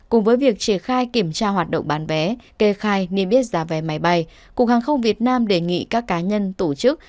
cùng với việc triển khai kiểm tra hoạt động bán vé kê khai niêm yết giá vé máy bay cục hàng không việt nam đề nghị các cá nhân tổ chức